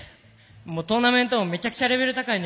トーナメントもめちゃくちゃレベル高いので。